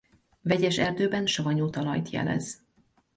Vegyes erdőben savanyú talajt jelez.